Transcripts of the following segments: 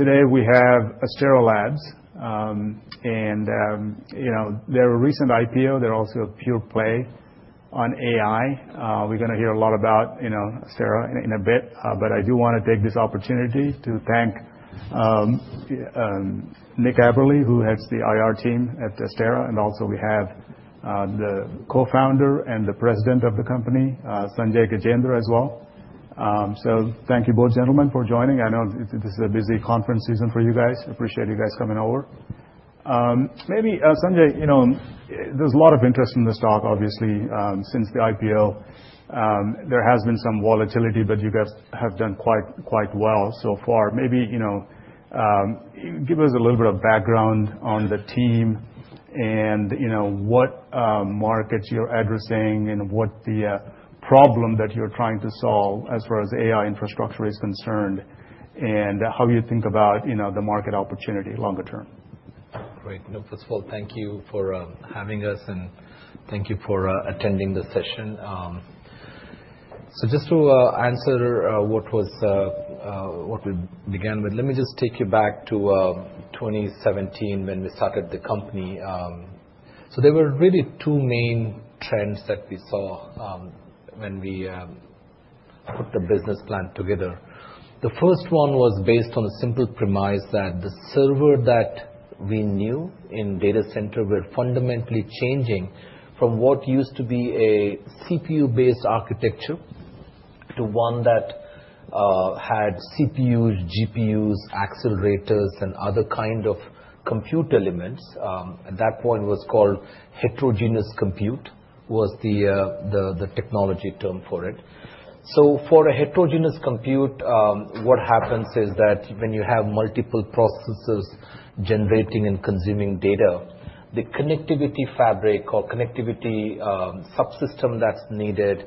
Today we have Astera Labs, and, you know, they're a recent IPO. They're also a pure play on AI. We're going to hear a lot about, you know, Astera in a bit, but I do want to take this opportunity to thank Nick Aberle, who heads the IR team at Astera, and also we have the Co-founder and President of the company, Sanjay Gajendra as well, so thank you both gentlemen for joining. I know this is a busy conference season for you guys. Appreciate you guys coming over. Maybe, Sanjay, you know, there's a lot of interest in the stock, obviously, since the IPO. There has been some volatility, but you guys have done quite, quite well so far. Maybe, you know, give us a little bit of background on the team and, you know, what markets you're addressing and what the problem that you're trying to solve as far as AI infrastructure is concerned, and how you think about, you know, the market opportunity longer term? Great. No, first of all, thank you for having us, and thank you for attending the session. So just to answer what we began with, let me just take you back to 2017 when we started the company. So there were really two main trends that we saw when we put the business plan together. The first one was based on a simple premise that the server that we knew in data center were fundamentally changing from what used to be a CPU-based architecture to one that had CPUs, GPUs, accelerators, and other kinds of compute elements. At that point, it was called heterogeneous compute, was the technology term for it. So for a heterogeneous compute, what happens is that when you have multiple processors generating and consuming data, the connectivity fabric or connectivity subsystem that's needed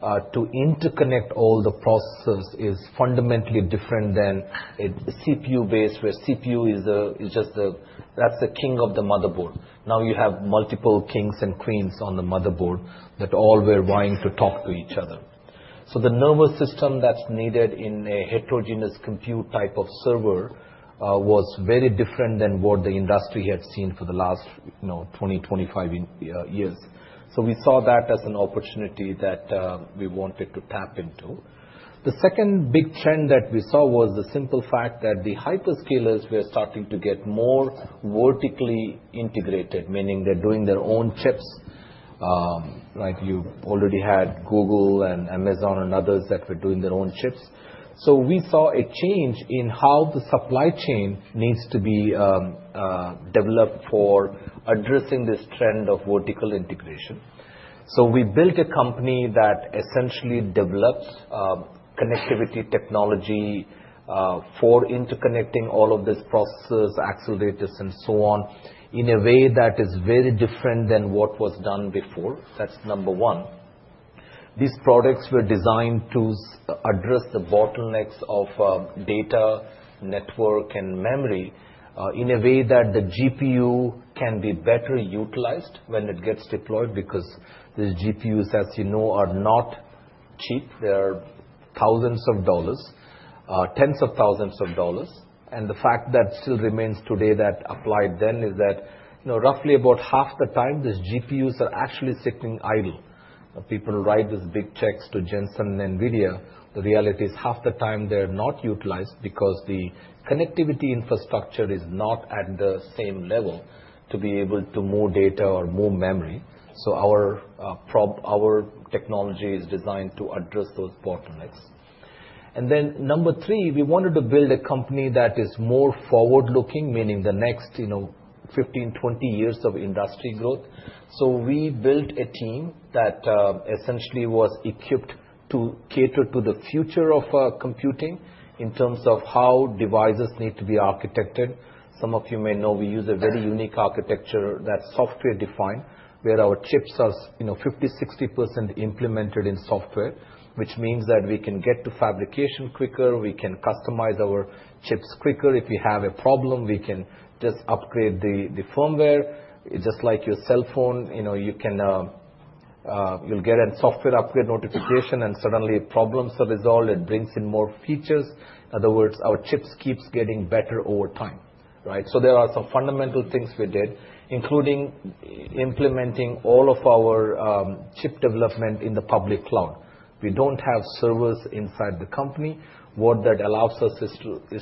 to interconnect all the processors is fundamentally different than a CPU-based where CPU is just the king of the motherboard. Now you have multiple kings and queens on the motherboard that all were vying to talk to each other. So the nervous system that's needed in a heterogeneous compute type of server was very different than what the industry had seen for the last, you know, 20, 25 years. So we saw that as an opportunity that we wanted to tap into. The second big trend that we saw was the simple fact that the hyperscalers were starting to get more vertically integrated, meaning they're doing their own chips. Right? You already had Google and Amazon and others that were doing their own chips. So we saw a change in how the supply chain needs to be developed for addressing this trend of vertical integration. So we built a company that essentially develops connectivity technology for interconnecting all of these processors, accelerators, and so on in a way that is very different than what was done before. That's number one. These products were designed to address the bottlenecks of data, network, and memory in a way that the GPU can be better utilized when it gets deployed because these GPUs, as you know, are not cheap. They are thousands of dollars, tens of thousands of dollars. And the fact that still remains today that applied then is that, you know, roughly about half the time these GPUs are actually sitting idle. People write these big checks to Jensen and NVIDIA. The reality is half the time they're not utilized because the connectivity infrastructure is not at the same level to be able to move data or move memory. So our technology is designed to address those bottlenecks. And then number three, we wanted to build a company that is more forward-looking, meaning the next, you know, 15, 20 years of industry growth. So we built a team that essentially was equipped to cater to the future of computing in terms of how devices need to be architected. Some of you may know we use a very unique architecture that's software-defined, where our chips are, you know, 50%-60% implemented in software, which means that we can get to fabrication quicker. We can customize our chips quicker. If we have a problem, we can just upgrade the firmware. Just like your cell phone, you know, you can, you'll get a software upgrade notification, and suddenly problems are resolved. It brings in more features. In other words, our chips keep getting better over time. Right? So there are some fundamental things we did, including implementing all of our chip development in the public cloud. We don't have servers inside the company. What that allows us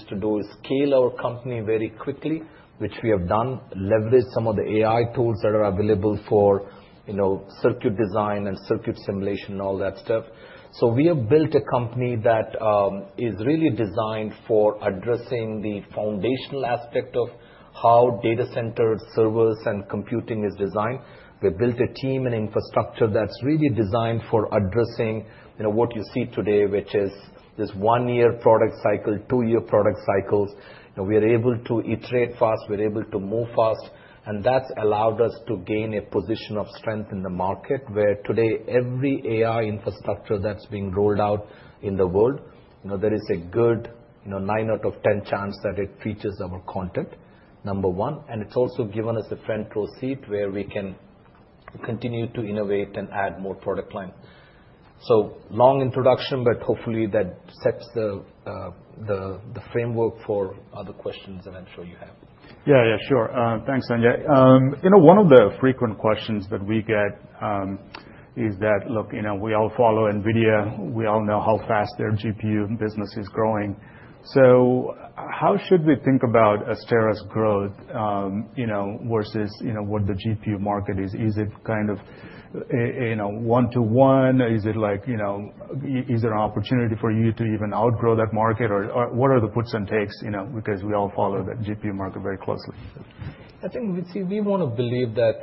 to do is scale our company very quickly, which we have done, leverage some of the AI tools that are available for, you know, circuit design and circuit simulation and all that stuff. So we have built a company that is really designed for addressing the foundational aspect of how data centers, servers, and computing is designed. We built a team and infrastructure that's really designed for addressing, you know, what you see today, which is this one-year product cycle, two-year product cycles. You know, we are able to iterate fast. We're able to move fast. And that's allowed us to gain a position of strength in the market where today every AI infrastructure that's being rolled out in the world, you know, there is a good, you know, nine out of ten chance that it features our content, number one. And it's also given us a front row seat where we can continue to innovate and add more product lines. So long introduction, but hopefully that sets the framework for other questions that I'm sure you have. Yeah, yeah, sure. Thanks, Sanjay. You know, one of the frequent questions that we get is that, look, you know, we all follow NVIDIA. We all know how fast their GPU business is growing. So how should we think about Astera's growth, you know, versus, you know, what the GPU market is? Is it kind of, you know, one to one? Is it like, you know, is there an opportunity for you to even outgrow that market? Or what are the puts and takes, you know, because we all follow that GPU market very closely? I think we want to believe that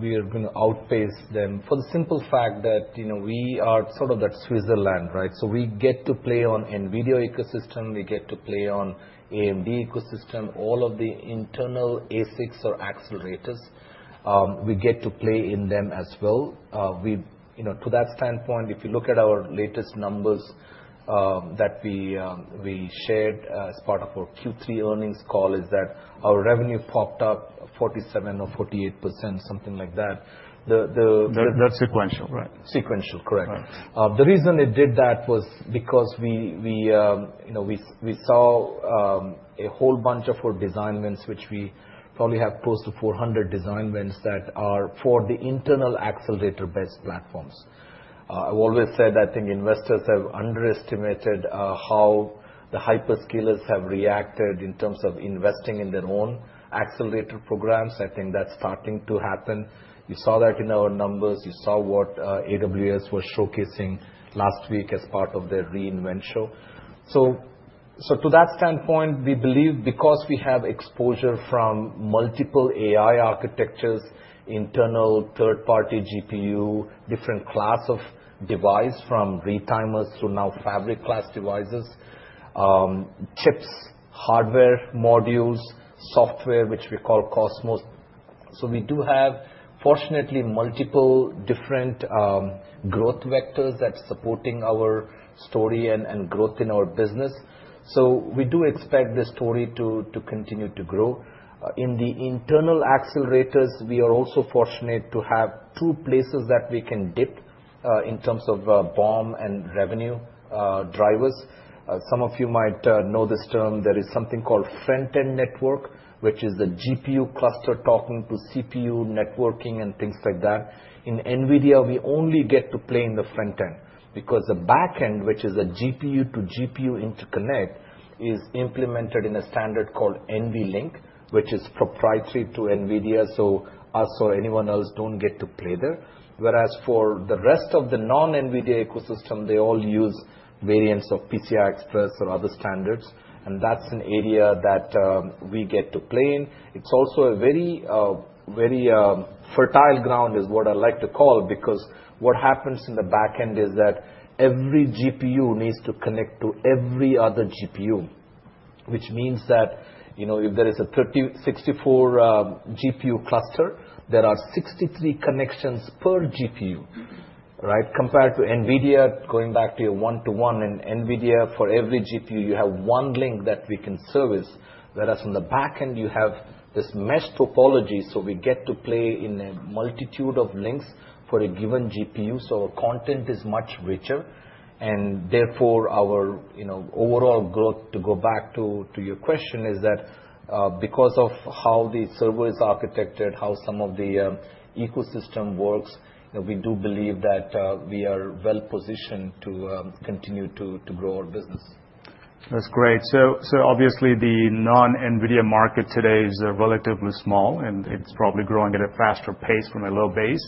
we are going to outpace them for the simple fact that, you know, we are sort of that Switzerland, right? So we get to play on NVIDIA ecosystem. We get to play on AMD ecosystem, all of the internal ASICs or accelerators. We get to play in them as well. We, you know, to that standpoint, if you look at our latest numbers that we shared as part of our Q3 earnings call, is that our revenue popped up 47% or 48%, something like that. That's sequential, right? Sequential, correct. The reason it did that was because we, you know, we saw a whole bunch of our design wins, which we probably have close to 400 design wins that are for the internal accelerator-based platforms. I've always said I think investors have underestimated how the hyperscalers have reacted in terms of investing in their own accelerator programs. I think that's starting to happen. You saw that in our numbers. You saw what AWS was showcasing last week as part of their re:Invent show. So to that standpoint, we believe because we have exposure from multiple AI architectures, internal third-party GPU, different class of device from retimers to now fabric-class devices, chips, hardware modules, software, which we call COSMOS. So we do have, fortunately, multiple different growth vectors that are supporting our story and growth in our business. So we do expect this story to continue to grow. In the internal accelerators, we are also fortunate to have two places that we can dip in terms of BOM and revenue drivers. Some of you might know this term. There is something called front-end network, which is the GPU cluster talking to CPU networking and things like that. In NVIDIA, we only get to play in the front-end because the back-end, which is a GPU-to-GPU interconnect, is implemented in a standard called NVLink, which is proprietary to NVIDIA. So us or anyone else don't get to play there. Whereas for the rest of the non-NVIDIA ecosystem, they all use variants of PCI Express or other standards. And that's an area that we get to play in. It's also a very, very fertile ground, is what I like to call, because what happens in the back-end is that every GPU needs to connect to every other GPU, which means that, you know, if there is a 64 GPU cluster, there are 63 connections per GPU, right? Compared to NVIDIA, going back to your one to one, in NVIDIA, for every GPU, you have one link that we can service. Whereas on the back-end, you have this mesh topology. So we get to play in a multitude of links for a given GPU. So our content is much richer. And therefore, our, you know, overall growth, to go back to your question, is that because of how the server is architected, how some of the ecosystem works, you know, we do believe that we are well positioned to continue to grow our business. That's great. So obviously, the non-NVIDIA market today is relatively small, and it's probably growing at a faster pace from a low base.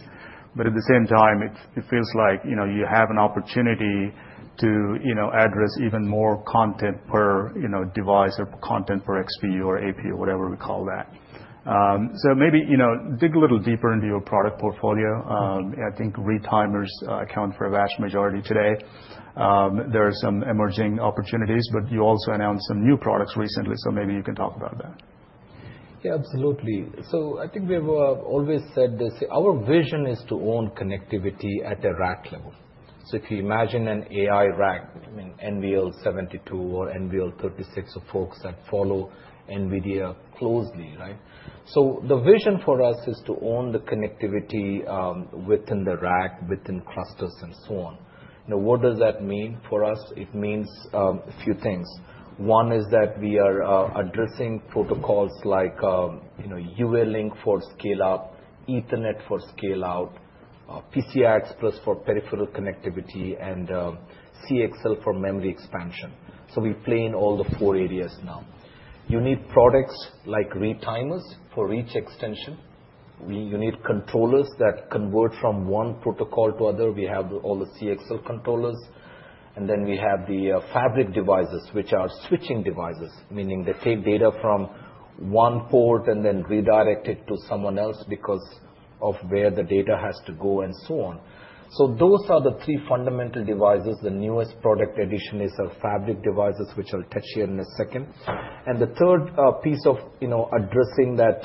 But at the same time, it feels like, you know, you have an opportunity to, you know, address even more content per, you know, device or content per XPU or APU, whatever we call that. So maybe, you know, dig a little deeper into your product portfolio. I think retimers account for a vast majority today. There are some emerging opportunities, but you also announced some new products recently. So maybe you can talk about that. Yeah, absolutely. So I think we have always said this. Our vision is to own connectivity at a rack level. So if you imagine an AI rack, I mean, NVL72 or NVL36 or folks that follow NVIDIA closely, right? So the vision for us is to own the connectivity within the rack, within clusters, and so on. You know, what does that mean for us? It means a few things. One is that we are addressing protocols like, you know, UALink for scale-out, Ethernet for scale-out, PCI Express for peripheral connectivity, and CXL for memory expansion. So we play in all the four areas now. You need products like retimers for each extension. You need controllers that convert from one protocol to other. We have all the CXL controllers. And then we have the fabric devices, which are switching devices, meaning they take data from one port and then redirect it to someone else because of where the data has to go and so on. So those are the three fundamental devices. The newest product edition is our fabric devices, which I'll touch here in a second. And the third piece of, you know, addressing that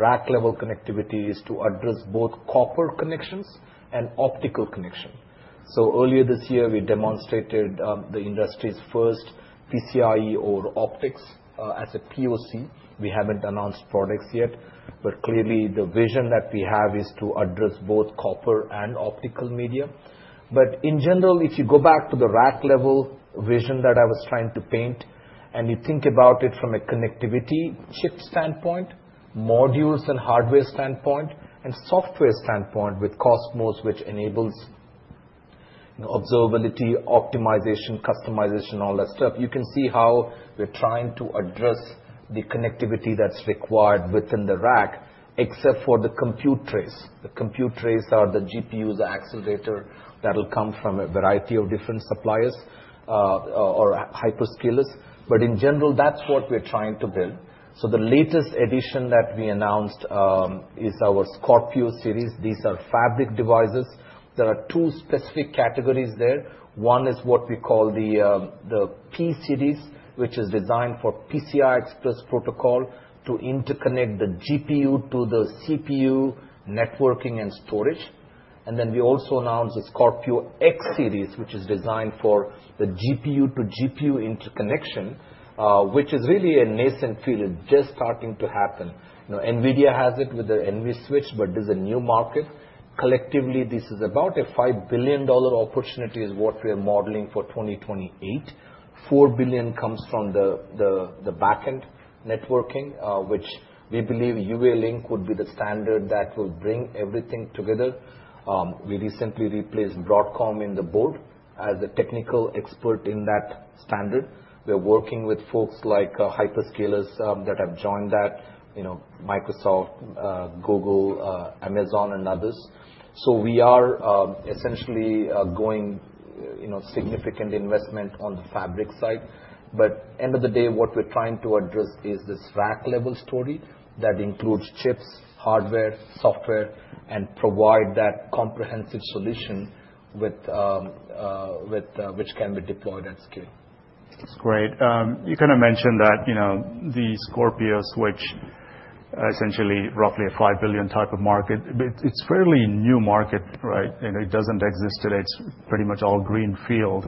rack-level connectivity is to address both copper connections and optical connection. So earlier this year, we demonstrated the industry's first PCIe over optics as a POC. We haven't announced products yet, but clearly the vision that we have is to address both copper and optical media. But in general, if you go back to the rack-level vision that I was trying to paint, and you think about it from a connectivity chip standpoint, modules and hardware standpoint, and software standpoint with COSMOS, which enables observability, optimization, customization, all that stuff, you can see how we're trying to address the connectivity that's required within the rack, except for the compute trays. The compute trays are the GPUs, accelerators that will come from a variety of different suppliers or hyperscalers. But in general, that's what we're trying to build. So the latest edition that we announced is our Scorpio series. These are fabric devices. There are two specific categories there. One is what we call the P-Series, which is designed for PCI Express protocol to interconnect the GPU to the CPU networking and storage. Then we also announced the Scorpio X-Series, which is designed for the GPU to GPU interconnection, which is really a nascent field. It's just starting to happen. You know, NVIDIA has it with the NVSwitch, but there's a new market. Collectively, this is about a $5 billion opportunity, is what we are modeling for 2028. $4 billion comes from the back-end networking, which we believe UALink would be the standard that will bring everything together. We recently replaced Broadcom on the board as the technical expert in that standard. We're working with folks like hyperscalers that have joined that, you know, Microsoft, Google, Amazon, and others. We are essentially going, you know, significant investment on the fabric side. But at the end of the day, what we're trying to address is this rack-level story that includes chips, hardware, software, and provide that comprehensive solution with which can be deployed at scale. That's great. You kind of mentioned that, you know, the Scorpio switch, essentially roughly a $5 billion type of market, it's fairly new market, right? You know, it doesn't exist today. It's pretty much all green field.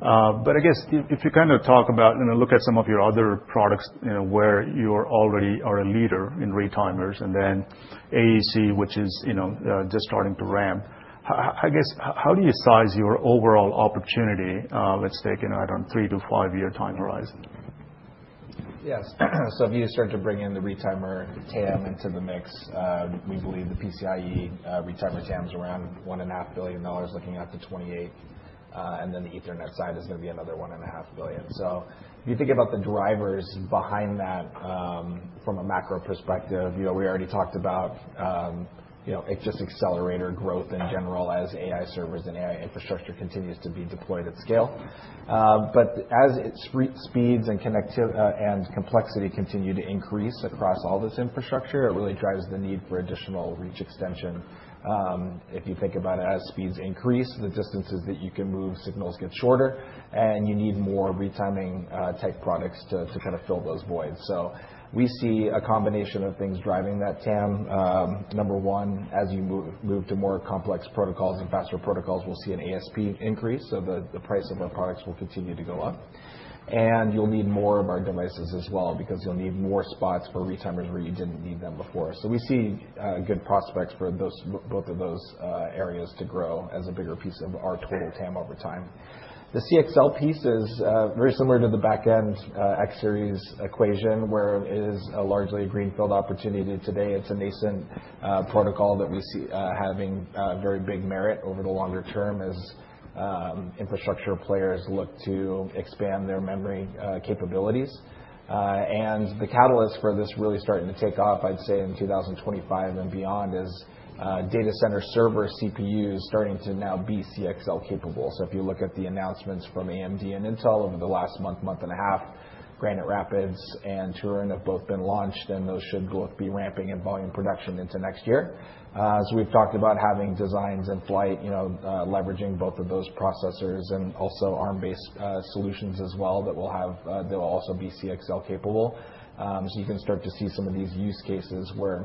But I guess if you kind of talk about, you know, look at some of your other products, you know, where you already are a leader in retimers and then AEC, which is, you know, just starting to ramp. I guess how do you size your overall opportunity? Let's take, you know, I don't know, three- to five-year time horizon. Yes. So if you start to bring in the retimer TAM into the mix, we believe the PCIe retimer TAM is around $1.5 billion, looking out to 2028, and then the Ethernet side is going to be another $1.5 billion, so if you think about the drivers behind that from a macro perspective, you know, we already talked about, you know, just accelerator growth in general as AI servers and AI infrastructure continues to be deployed at scale, but as speeds and complexity continue to increase across all this infrastructure, it really drives the need for additional reach extension. If you think about it as speeds increase, the distances that you can move, signals get shorter, and you need more retiming tech products to kind of fill those voids, so we see a combination of things driving that TAM. Number one, as you move to more complex protocols and faster protocols, we'll see an ASP increase. So the price of our products will continue to go up. And you'll need more of our devices as well because you'll need more spots for retimers where you didn't need them before. So we see good prospects for both of those areas to grow as a bigger piece of our total TAM over time. The CXL piece is very similar to the back-end X-Series equation, where it is largely a greenfield opportunity today. It's a nascent protocol that we see having very big merit over the longer term as infrastructure players look to expand their memory capabilities. And the catalyst for this really starting to take off, I'd say in 2025 and beyond, is data center server CPUs starting to now be CXL capable. So if you look at the announcements from AMD and Intel over the last month, month and a half, Granite Rapids and Turin have both been launched, and those should both be ramping in volume production into next year. So we've talked about having designs in flight, you know, leveraging both of those processors and also ARM-based solutions as well that will have, they'll also be CXL capable. So you can start to see some of these use cases where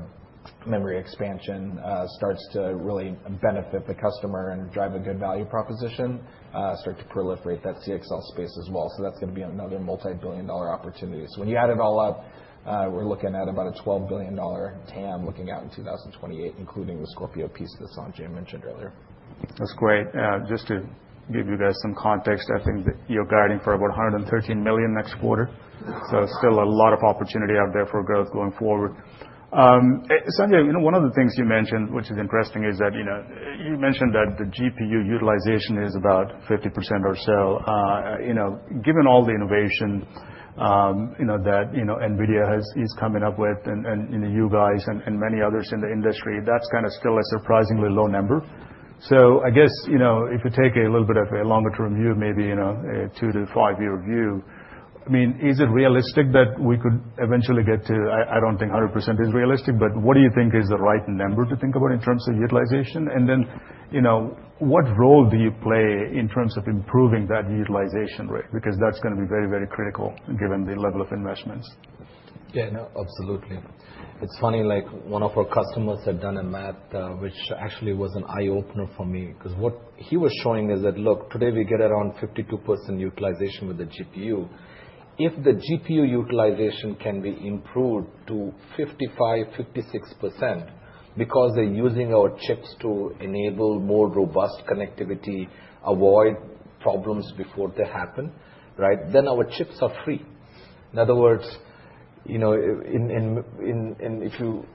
memory expansion starts to really benefit the customer and drive a good value proposition, start to proliferate that CXL space as well. So that's going to be another multi-billion dollar opportunity. So when you add it all up, we're looking at about a $12 billion TAM looking out in 2028, including the Scorpio piece that Sanjay mentioned earlier. That's great. Just to give you guys some context, I think you're guiding for about $113 million next quarter. So still a lot of opportunity out there for growth going forward. Sanjay, you know, one of the things you mentioned, which is interesting, is that, you know, you mentioned that the GPU utilization is about 50% or so. You know, given all the innovation, you know, that, you know, NVIDIA is coming up with and you guys and many others in the industry, that's kind of still a surprisingly low number. So I guess, you know, if you take a little bit of a longer-term view, maybe, you know, a two to five-year view, I mean, is it realistic that we could eventually get to, I don't think 100% is realistic, but what do you think is the right number to think about in terms of utilization? And then, you know, what role do you play in terms of improving that utilization rate? Because that's going to be very, very critical given the level of investments. Yeah, no, absolutely. It's funny, like one of our customers had done a math, which actually was an eye-opener for me, because what he was showing is that, look, today we get around 52% utilization with the GPU. If the GPU utilization can be improved to 55%-56%, because they're using our chips to enable more robust connectivity, avoid problems before they happen, right, then our chips are free. In other words, you know, if you,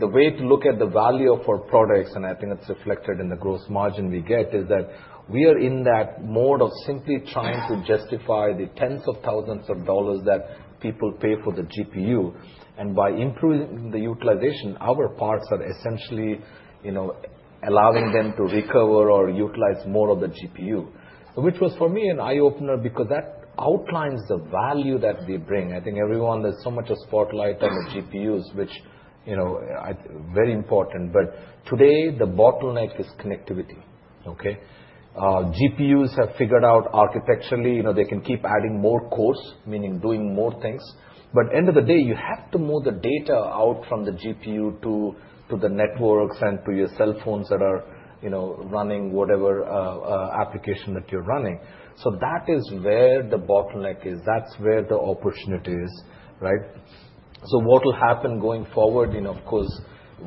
the way to look at the value of our products, and I think it's reflected in the gross margin we get, is that we are in that mode of simply trying to justify the tens of thousands of dollars that people pay for the GPU. By improving the utilization, our parts are essentially, you know, allowing them to recover or utilize more of the GPU, which was for me an eye-opener because that outlines the value that we bring. I think everyone, there's so much spotlight on the GPUs, which, you know, very important, but today the bottleneck is connectivity, okay? GPUs have figured out architecturally, you know, they can keep adding more cores, meaning doing more things. But at the end of the day, you have to move the data out from the GPU to the networks and to your cell phones that are, you know, running whatever application that you're running. So that is where the bottleneck is. That's where the opportunity is, right? So what will happen going forward? You know, of course,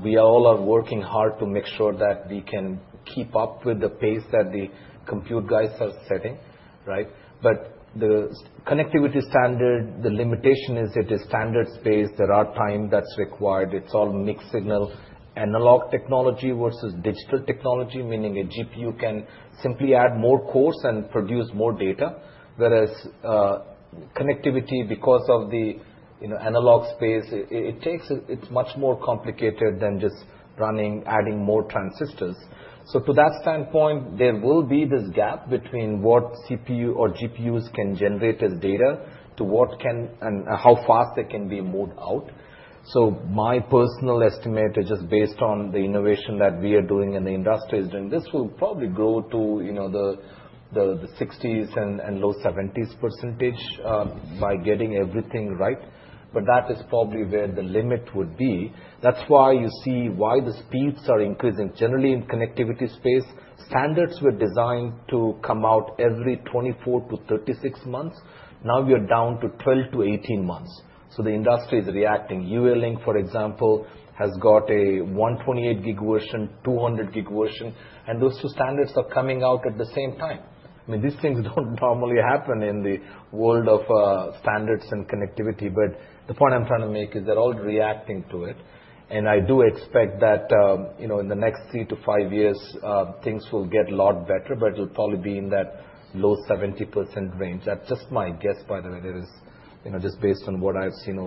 we all are working hard to make sure that we can keep up with the pace that the compute guys are setting, right? But the connectivity standard, the limitation is it is standard space. There are times that's required. It's all mixed signal analog technology versus digital technology, meaning a GPU can simply add more cores and produce more data, whereas connectivity, because of the, you know, analog space, it takes, it's much more complicated than just running, adding more transistors. So to that standpoint, there will be this gap between what CPU or GPUs can generate as data to what can and how fast they can be moved out. So my personal estimate, just based on the innovation that we are doing and the industry is doing, this will probably grow to, you know, the 60s and low 70s percentage by getting everything right. But that is probably where the limit would be. That's why you see why the speeds are increasing. Generally, in connectivity space, standards were designed to come out every 24 to 36 months. Now we are down to 12 to 18 months. So the industry is reacting. UALink, for example, has got a 128 gig version, 200 gig version, and those two standards are coming out at the same time. I mean, these things don't normally happen in the world of standards and connectivity, but the point I'm trying to make is they're all reacting to it. And I do expect that, you know, in the next three to five years, things will get a lot better, but it'll probably be in that low 70% range. That's just my guess, by the way. There is, you know, just based on what I've seen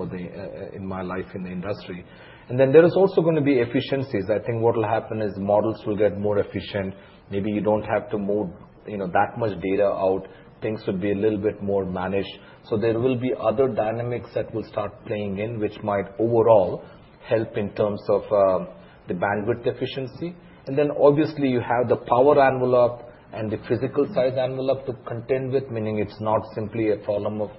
in my life in the industry, and then there is also going to be efficiencies. I think what will happen is models will get more efficient. Maybe you don't have to move, you know, that much data out. Things would be a little bit more managed, so there will be other dynamics that will start playing in, which might overall help in terms of the bandwidth efficiency, and then obviously you have the power envelope and the physical size envelope to contend with, meaning it's not simply a problem of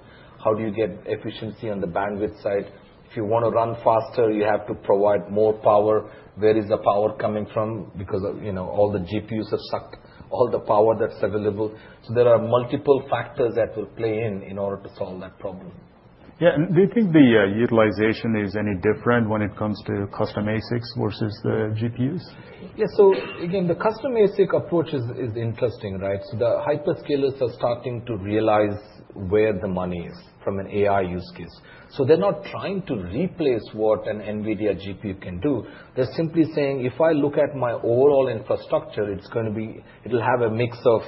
how do you get efficiency on the bandwidth side. If you want to run faster, you have to provide more power. Where is the power coming from? Because, you know, all the GPUs have sucked all the power that's available. So there are multiple factors that will play in order to solve that problem. Yeah. And do you think the utilization is any different when it comes to custom ASICs versus the GPUs? Yeah. So again, the custom ASIC approach is interesting, right? So the hyperscalers are starting to realize where the money is from an AI use case. So they're not trying to replace what an NVIDIA GPU can do. They're simply saying, if I look at my overall infrastructure, it's going to be, it'll have a mix of,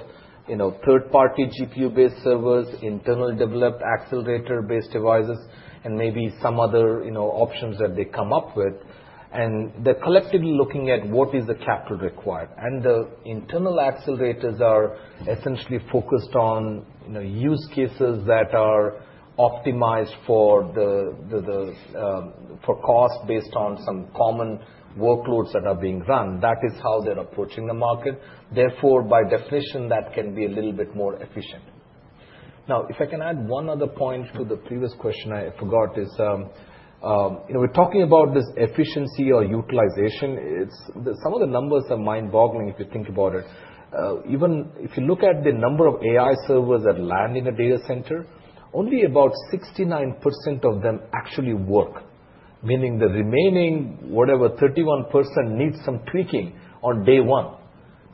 you know, third-party GPU-based servers, internal developed accelerator-based devices, and maybe some other, you know, options that they come up with. And they're collectively looking at what is the capital required. And the internal accelerators are essentially focused on, you know, use cases that are optimized for the, for cost based on some common workloads that are being run. That is how they're approaching the market. Therefore, by definition, that can be a little bit more efficient. Now, if I can add one other point to the previous question I forgot is, you know, we're talking about this efficiency or utilization. It's some of the numbers are mind-boggling if you think about it. Even if you look at the number of AI servers that land in a data center, only about 69% of them actually work, meaning the remaining, whatever, 31% needs some tweaking on day one.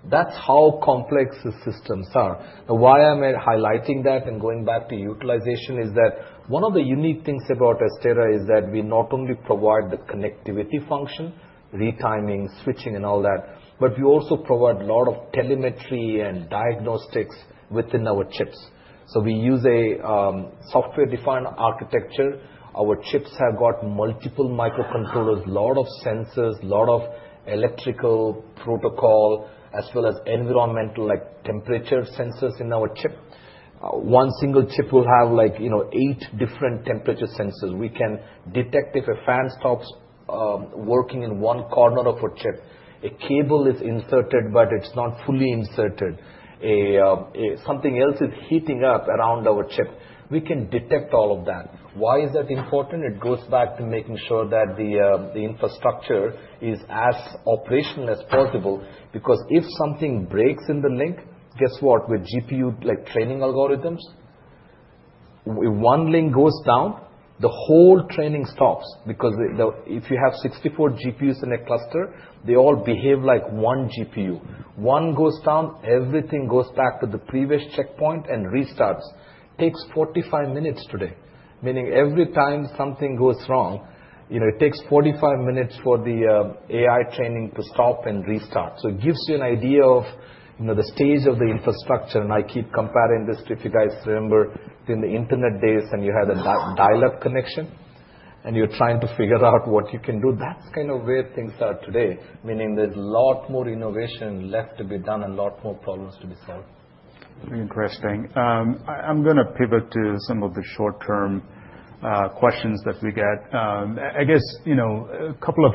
That's how complex the systems are. Now, why am I highlighting that and going back to utilization is that one of the unique things about Astera is that we not only provide the connectivity function, retiming, switching, and all that, but we also provide a lot of telemetry and diagnostics within our chips. So we use a software-defined architecture. Our chips have got multiple microcontrollers, a lot of sensors, a lot of electrical protocol, as well as environmental like temperature sensors in our chip. One single chip will have like, you know, eight different temperature sensors. We can detect if a fan stops working in one corner of our chip. A cable is inserted, but it's not fully inserted. Something else is heating up around our chip. We can detect all of that. Why is that important? It goes back to making sure that the infrastructure is as operational as possible because if something breaks in the link, guess what? With GPU-like training algorithms, if one link goes down, the whole training stops because if you have 64 GPUs in a cluster, they all behave like one GPU. One goes down, everything goes back to the previous checkpoint and restarts. Takes 45 minutes today, meaning every time something goes wrong, you know, it takes 45 minutes for the AI training to stop and restart. So it gives you an idea of, you know, the stage of the infrastructure. And I keep comparing this to, if you guys remember, in the internet days and you had a dial-up connection and you're trying to figure out what you can do, that's kind of where things are today, meaning there's a lot more innovation left to be done and a lot more problems to be solved. Interesting. I'm going to pivot to some of the short-term questions that we get. I guess, you know, a couple of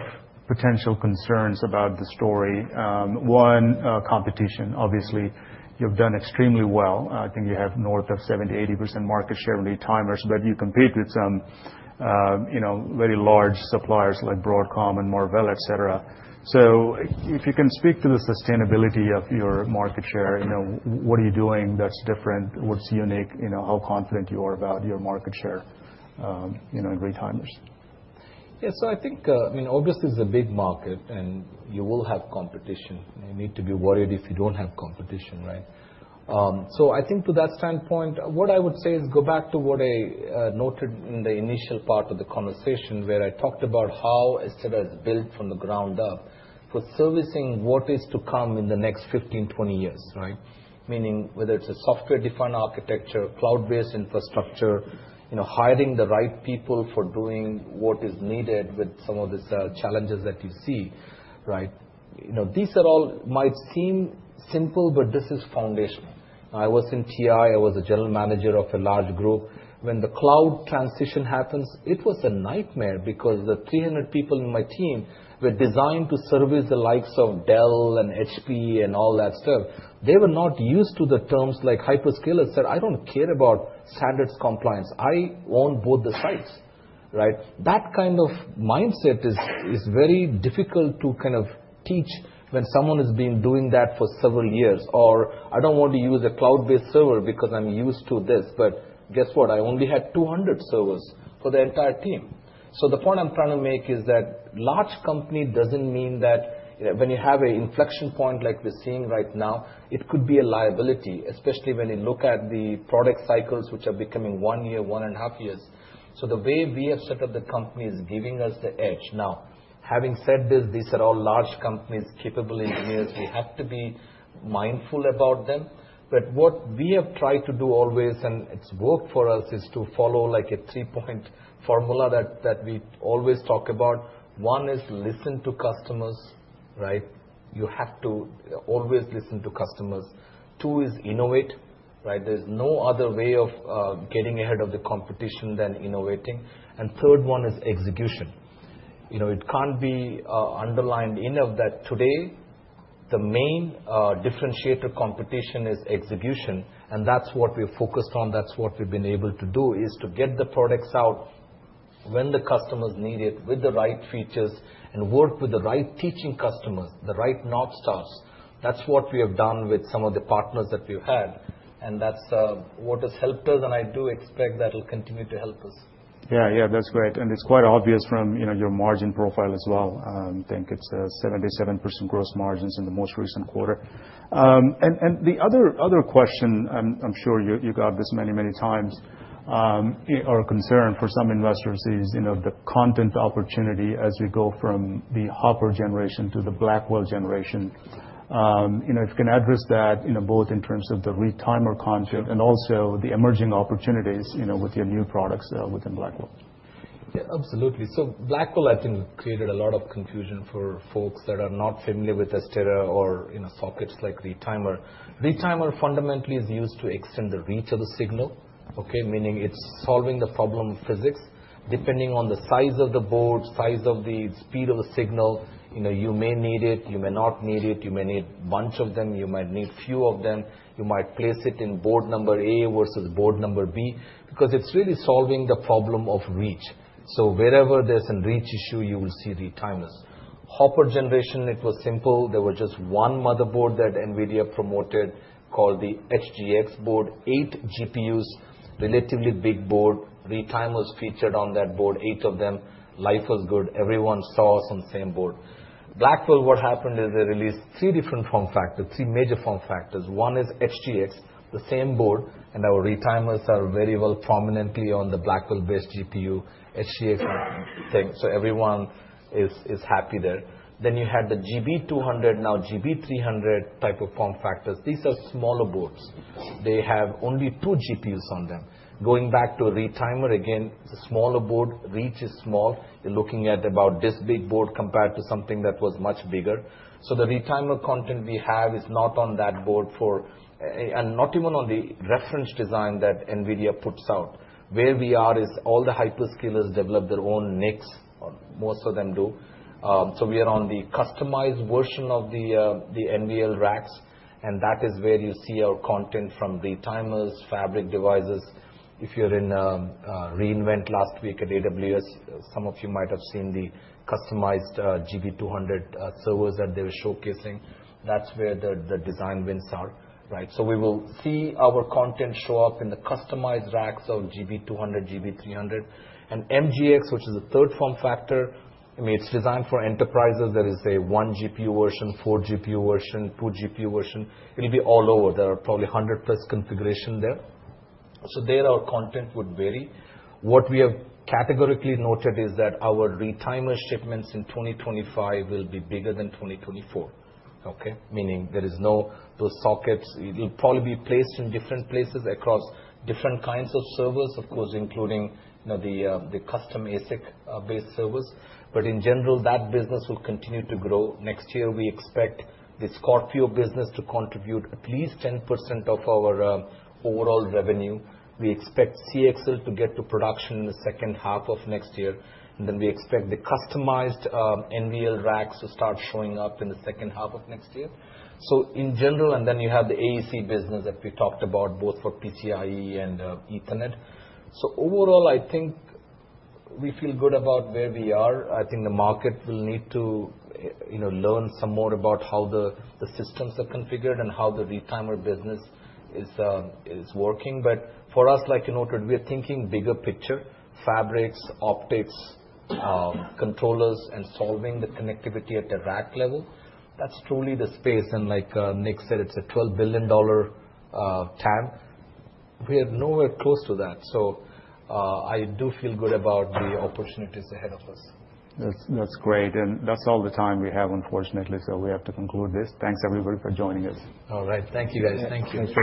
potential concerns about the story. One, competition. Obviously, you've done extremely well. I think you have north of 70%, 80% market share in retimers, but you compete with some, you know, very large suppliers like Broadcom and Marvell, et cetera. So if you can speak to the sustainability of your market share, you know, what are you doing that's different? What's unique? You know, how confident you are about your market share, you know, in retimers? Yeah. So I think, I mean, obviously it's a big market and you will have competition. You need to be worried if you don't have competition, right? So I think to that standpoint, what I would say is go back to what I noted in the initial part of the conversation where I talked about how Astera is built from the ground up for servicing what is to come in the next 15, 20 years, right? Meaning whether it's a software-defined architecture, cloud-based infrastructure, you know, hiring the right people for doing what is needed with some of these challenges that you see, right? You know, these are all, might seem simple, but this is foundational. I was in TI. I was a general manager of a large group. When the cloud transition happens, it was a nightmare because the 300 people in my team were designed to service the likes of Dell and HP and all that stuff. They were not used to the terms like hyperscalers. I said, I don't care about standards compliance. I own both the sites, right? That kind of mindset is very difficult to kind of teach when someone has been doing that for several years, or I don't want to use a cloud-based server because I'm used to this, but guess what? I only had 200 servers for the entire team, so the point I'm trying to make is that large company doesn't mean that when you have an inflection point like we're seeing right now, it could be a liability, especially when you look at the product cycles which are becoming one year, one and a half years. So the way we have set up the company is giving us the edge. Now, having said this, these are all large companies, capable engineers. We have to be mindful about them. But what we have tried to do always, and it's worked for us, is to follow like a three-point formula that we always talk about. One is listen to customers, right? You have to always listen to customers. Two is innovate, right? There's no other way of getting ahead of the competition than innovating. And third one is execution. You know, it can't be underlined enough that today the main differentiator competition is execution. And that's what we're focused on. That's what we've been able to do is to get the products out when the customers need it with the right features and work with the right tier-one customers, the right design starts. That's what we have done with some of the partners that we've had. And that's what has helped us. And I do expect that it'll continue to help us. Yeah, yeah, that's great. And it's quite obvious from, you know, your margin profile as well. I think it's 77% gross margins in the most recent quarter. And the other question, I'm sure you got this many, many times, or concern for some investors is, you know, the content opportunity as we go from the Hopper generation to the Blackwell generation. You know, if you can address that, you know, both in terms of the retimer content and also the emerging opportunities, you know, with your new products within Blackwell. Yeah, absolutely. So Blackwell, I think, created a lot of confusion for folks that are not familiar with Astera or, you know, sockets like retimer. Retimer fundamentally is used to extend the reach of the signal, okay? Meaning it's solving the problem physics. Depending on the size of the board, size of the speed of the signal, you know, you may need it, you may not need it, you may need a bunch of them, you might need few of them, you might place it in board number A versus board number B because it's really solving the problem of reach. So wherever there's a reach issue, you will see retimers. Hopper generation, it was simple. There was just one motherboard that NVIDIA promoted called the HGX board, eight GPUs, relatively big board. Retimers featured on that board, eight of them. Life was good. Everyone saw some same board. Blackwell, what happened is they released three different form factors, three major form factors. One is HGX, the same board, and our retimers are very well prominently on the Blackwell-based GPU, HGX thing. So everyone is happy there. Then you had the GB200, now GB300 type of form factors. These are smaller boards. They have only two GPUs on them. Going back to retimer again, it is a smaller board. Reach is small. You are looking at about this big board compared to something that was much bigger. So the retimer content we have is not on that board for, and not even on the reference design that NVIDIA puts out. Where we are is all the hyperscalers develop their own NICs, or most of them do. So we are on the customized version of the NVL racks, and that is where you see our content from retimers, fabric devices. If you're at re:Invent last week at AWS, some of you might have seen the customized GB200 servers that they were showcasing. That's where the design wins are, right? We will see our content show up in the customized racks of GB200, GB300, and MGX, which is a third form factor. I mean, it's designed for enterprises. There is a one-GPU version, four-GPU version, two-GPU version. It'll be all over. There are probably 100-plus configurations there, so there our content would vary. What we have categorically noted is that our retimer shipments in 2025 will be bigger than 2024, okay? Meaning there is no those sockets. It'll probably be placed in different places across different kinds of servers, of course, including, you know, the custom ASIC-based servers, but in general, that business will continue to grow. Next year, we expect the Scorpio business to contribute at least 10% of our overall revenue. We expect CXL to get to production in the second half of next year, and then we expect the customized NVL racks to start showing up in the second half of next year, so in general, and then you have the AEC business that we talked about, both for PCIe and Ethernet. So overall, I think we feel good about where we are. I think the market will need to, you know, learn some more about how the systems are configured and how the retimer business is working, but for us, like you noted, we are thinking bigger picture, fabrics, optics, controllers, and solving the connectivity at the rack level. That's truly the space, and like Nick said, it's a $12 billion TAM. We are nowhere close to that. I do feel good about the opportunities ahead of us. That's great. And that's all the time we have, unfortunately. So we have to conclude this. Thanks everybody for joining us. All right. Thank you guys. Thank you.